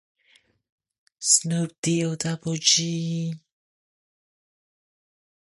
These researches have not been completed.